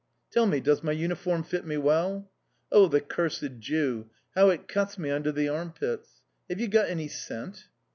"Tell me, does my uniform fit me well?... Oh, the cursed Jew!... How it cuts me under the armpits!... Have you got any scent?"